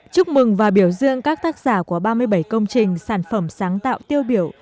chúc mừng và biểu dương các tác giả của ba mươi bảy công trình sản phẩm sáng tạo tiêu biểu